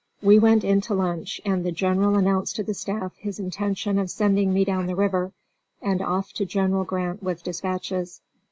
We went in to lunch and the General announced to the staff his intention of sending me down the river, and off to General Grant with dispatches.